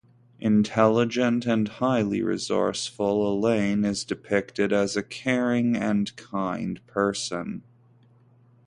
Intelligent and highly resourceful, Elaine is depicted as a caring and kind person.